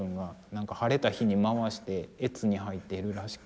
なんか晴れた日に回して悦に入っているらしくて。